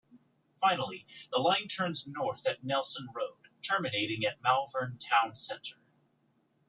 Finally, the line turns north at Neilson Road, terminating at Malvern Town Centre.